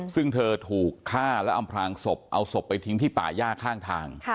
ซึ่งเธอถูกฆ่าและอำพลางศพเอาศพไปทิ้งที่ป่าย่าข้างทาง